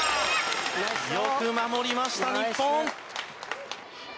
よく守りました日本！